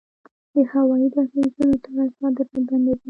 د هوایی دهلیزونو تړل صادرات بندوي.